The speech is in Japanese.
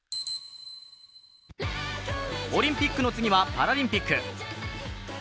オリンピックの次はパラリンピック。